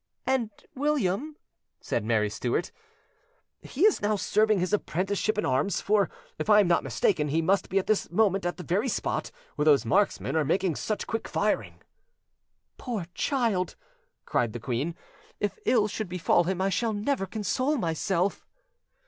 "And William?" said Mary Stuart. "He is now serving his apprenticeship in arms; for, if I am not mistaken, he must be at this moment at the very spot where those marksmen are making such quick firing." "Poor child!" cried the queen; "if ill should befall him, I shall never console myself."